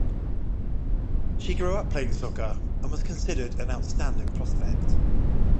She grew up playing soccer and was considered an outstanding prospect.